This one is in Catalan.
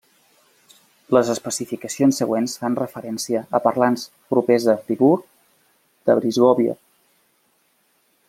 Les especificacions següents fan referència a parlants propers a Friburg de Brisgòvia.